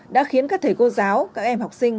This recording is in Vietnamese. đã khiến các thầy cô giáo các em học sinh